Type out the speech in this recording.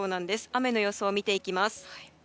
雨の予想、見ていきます。